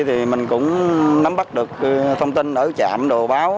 thì mình cũng nắm bắt được thông tin ở trạm đồ báo